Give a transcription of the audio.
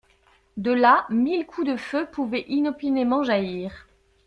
De là mille coups de feu pouvaient inopinément jaillir.